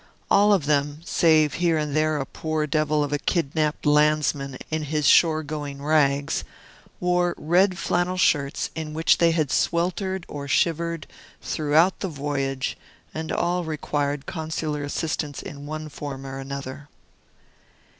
All of them (save here and there a poor devil of a kidnapped landsman in his shore going rags) wore red flannel shirts, in which they had sweltered or shivered throughout the voyage, and all required consular assistance in one form or another.